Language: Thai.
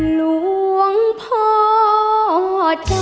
หลวงพ่อเจ้าข้า